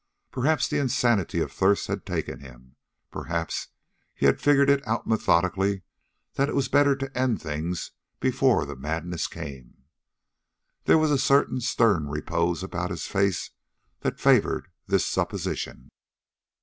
Perhaps the insanity of thirst had taken him; perhaps he had figured it out methodically that it was better to end things before the madness came. There was a certain stern repose about his face that favored this supposition.